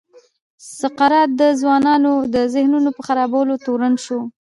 سقراط د ځوانانو د ذهنونو په خرابولو تورن شو.